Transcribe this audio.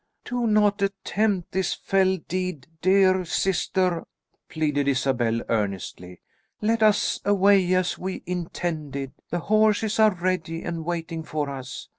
"Do not attempt this fell deed, dear sister," pleaded Isabel earnestly. "Let us away as we intended. The horses are ready and waiting for us.